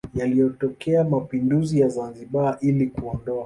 Yalitokea mapinduzi ya Zanzibar ili kumuondoa